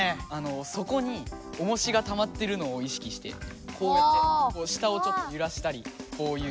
そこに重しがたまってるのをいしきしてこうやってこう下をちょっとゆらしたりこういう。